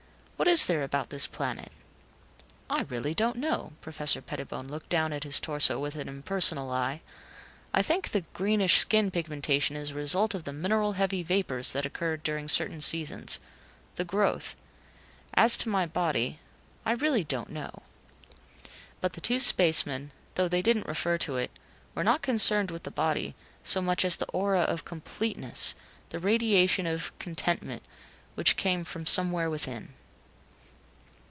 What is there about this planet ?" "I really don't know." Professor Pettibone looked down his torso with an impersonal eye. "I think the greenish skin pigmentation is a result of mineral heavy vapors that occur during certain seasons. The growth. As to my body I really don't know." But the two spacemen, though they didn't refer to it were not concerned with the body so much as the aura of completeness, the radiation of contentment which came from somewhere within.